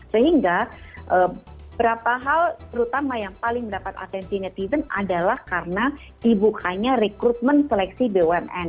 sehingga beberapa hal terutama yang paling mendapat atensi netizen adalah karena dibukanya rekrutmen seleksi bumn